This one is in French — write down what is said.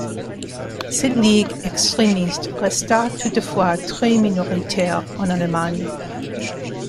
Cette ligue extrémiste resta toutefois très minoritaire en Allemagne.